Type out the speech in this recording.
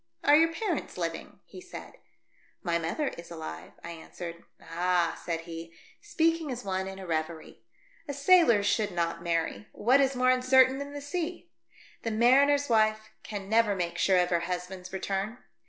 " Are your parents living ?" he said. "My mother is alive," I answered. " Ah !" said he, speaking as one in a reverie. "A sailor should not marry. What is more uncertain than the sea ? The mariner's wife can never make sure of her husband's return.